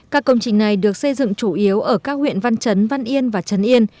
các công trình này được xây dựng chủ yếu ở các huyện văn chấn văn yên và trấn yên